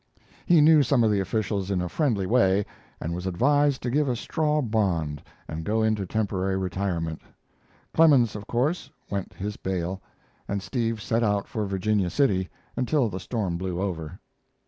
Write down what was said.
He knew some of the officials in a friendly way, and was advised to give a straw bond and go into temporary retirement. Clemens, of course, went his bail, and Steve set out for Virginia City, until the storm blew over.